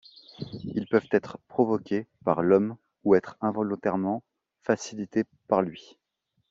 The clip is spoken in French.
Ils peuvent être provoqués par l'homme ou être involontairement facilités par lui.